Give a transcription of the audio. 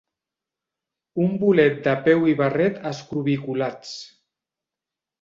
Un bolet de peu i barret escrobiculats.